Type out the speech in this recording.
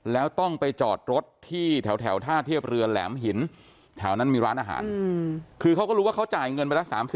แล้วต้องไปจอดรถที่แถวท่าเทียบเรือแหลมหิน